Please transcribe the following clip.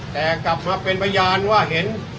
แต่กลับมาเป็นพยานว่าเห็น